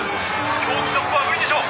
競技続行は無理でしょう。